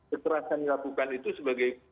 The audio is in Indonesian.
keterasan yang dilakukan itu sebagai